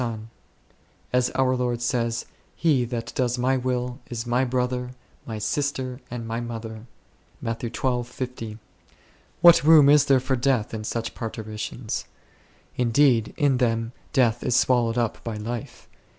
son ; as our Lord says, " He that doeth my will is my brother, my sister, and my mother V What room is there for death in such parturi tions ? Indeed in them death is swallowed up by life.